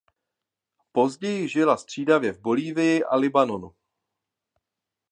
Později žila střídavě v Bolívii a Libanonu.